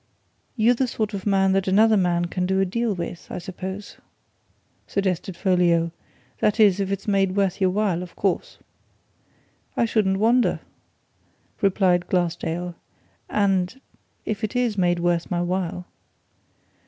"You're the sort of man that another man can do a deal with, I suppose?" suggested Folliot. "That is, if it's made worth your while, of course?" "I shouldn't wonder," replied Glassdale. "And if it is made worth my while."